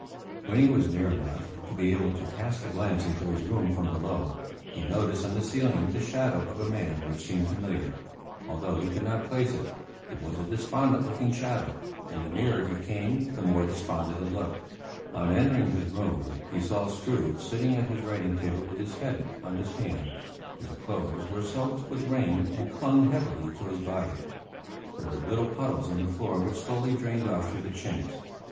When he was near enough to be able to cast a glance into his room from below, he noticed on the ceiling the shadow of a man which seemed familiar, although he could not place it. It was a despondent looking shadow, and the nearer he came the more despondent it looked. On entering his room he saw Struve sitting at his writing table with his head on his hands. His clothes were soaked with rain and clung heavily to his body; there were little puddles on the floor which slowly drained off through the chinks.